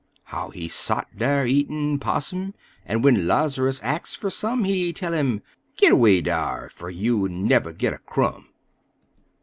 How he sot dar eatin' 'possum, en when Laz'rus ax fer some, He tell 'im: "Git erway, dar! fer you'll never git a crumb!"